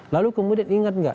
lalu kemudian ingat nggak